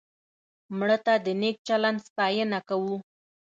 مړه ته د نیک چلند ستاینه کوو